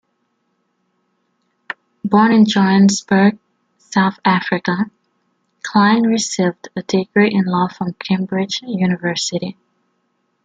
Born in Johannesburg, South Africa, Klein received a degree in law from Cambridge University.